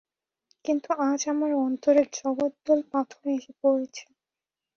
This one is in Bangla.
কিন্তু আজ আমার অন্তরে জগদ্দল পাথর এসে পড়েছে।